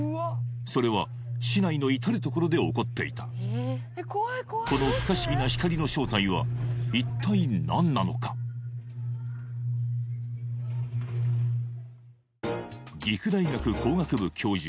それは市内の至る所で起こっていたこの不可思議な一体何なのか岐阜大学工学部教授